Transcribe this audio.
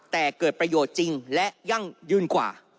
แต่เกิดประโยชน์จริงและยั่งยืนกว่า